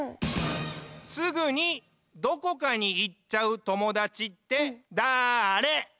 すぐにどこかにいっちゃうともだちってだあれ？